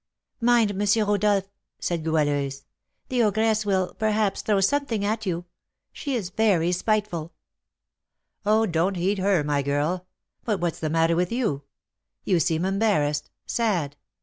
"Mind, M. Rodolph," said Goualeuse; "the ogress will, perhaps, throw something at you, she is very spiteful." "Oh, don't heed her, my girl. But what's the matter with you? You seem embarrassed, sad.